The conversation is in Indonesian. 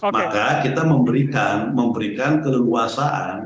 maka kita memberikan keleluasan